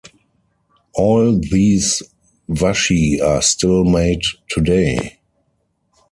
All these washi are still made today.